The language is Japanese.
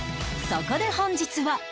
そこで本日は